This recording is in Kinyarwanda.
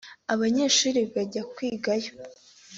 abanyeshuri bajya kwigayo